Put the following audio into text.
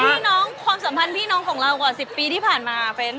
พี่น้องความสัมพันธ์พี่น้องของเรากว่า๑๐ปีที่ผ่านมาเฟ้น